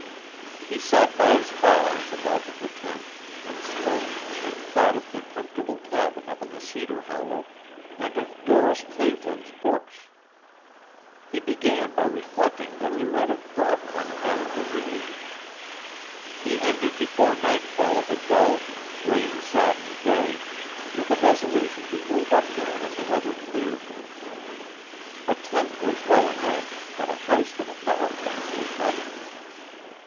He sat by his fire in the mouth of the tent and smoked and thought of the comfortable cabin up in the cedar hollow, and of Doris Cleveland's books. He began by reflecting that he might have brought one down to read. He ended before nightfall of a dull, rain sodden day with a resolution to move up there when the weather cleared. A tent was well enough, but a house with a fireplace was better.